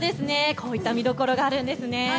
こういった見どころがあるんですね。